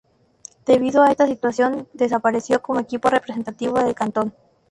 Debido a esta situación, desapareció como equipo representativo del cantón.